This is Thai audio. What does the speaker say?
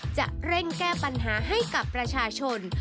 จะเร่งแก้ปัญหาให้กับประชาชน